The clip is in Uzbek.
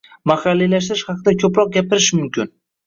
Mahalliylashtirish haqida ko‘proq gapirish mumkin.